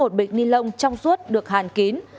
một bịch ni lông trong suốt được hàn kín